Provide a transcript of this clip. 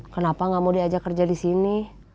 kenapa nggak mau diajak kerja di sini